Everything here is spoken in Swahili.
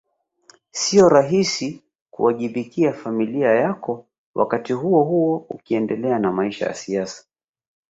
Sio rahisi kuwajibikia familia yako wakati huohuo ukiendelea na maisha ya siasa